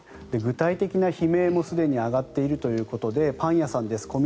具体的な悲鳴もすでに上がっているということでパン屋さんです。